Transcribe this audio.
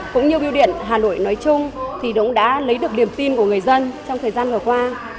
cũng như biêu điện hà nội nói chung thì cũng đã lấy được niềm tin của người dân trong thời gian vừa qua